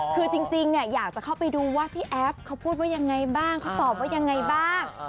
คือจริงเนี่ยอยากจะเข้าไปดูว่าพี่แอฟเขาพูดว่ายังไงบ้างเขาตอบว่ายังไงบ้าง